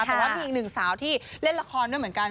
แต่ว่ามีอีกหนึ่งสาวที่เล่นละครด้วยเหมือนกัน